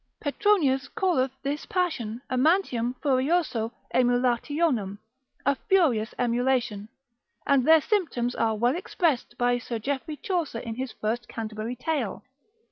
Petronius calleth this passion amantium furiosum aemulationem, a furious emulation; and their symptoms are well expressed by Sir Geoffrey Chaucer in his first Canterbury Tale.